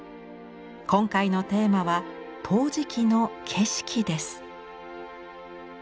今回のテーマは陶磁器の「景色」です。